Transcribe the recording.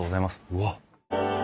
うわっ！